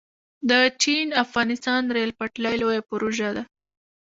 د چین - افغانستان ریل پټلۍ لویه پروژه ده